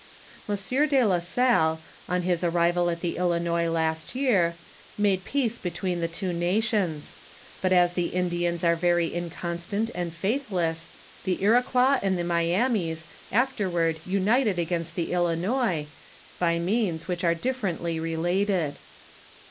Monsieur de la Salle, on his arrival at the Ilinois last year, made peace between the two nations ; but as the Indians are very inconstant and faithless, the Iroquois and the Myamis afterward united against the Ilinois, by means which are diflferently related.